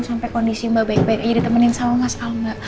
sampai kondisi mbak baik baik aja ditemenin sama mas alma